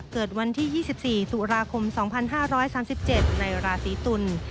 เกิดวันที่๒๔ตุลาคม๒๕๓๗ในราศีตุล